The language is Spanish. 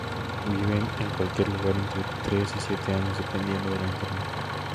Viven en cualquier lugar entre tres y siete años, dependiendo del entorno.